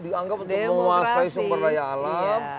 dianggap untuk menguasai sumber daya alam